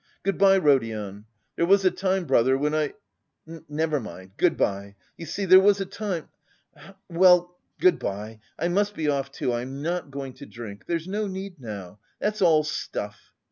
"Good bye, Rodion. There was a time, brother, when I.... Never mind, good bye. You see, there was a time.... Well, good bye! I must be off too. I am not going to drink. There's no need now.... That's all stuff!"